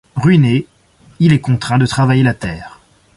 Ruiné, il est contraint de travailler la terre.